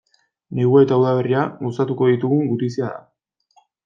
Negua eta udaberria gozatuko digun gutizia da.